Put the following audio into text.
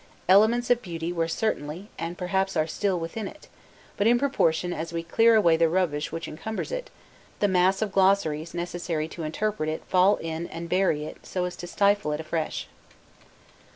Elements of beauty were certainly, and perhaps are still, within it; but in proportion as we clear away the rubbish which encumbers it, the mass of glossaries necessary to interpret it fall in and bury it so as to stifle it afresh.